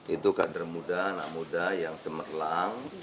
itu kader muda anak muda yang cemerlang